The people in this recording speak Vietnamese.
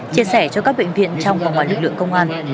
chia sẻ cho các bệnh viện trong và ngoài lực lượng công an